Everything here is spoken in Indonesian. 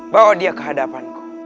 bawa dia ke hadapanku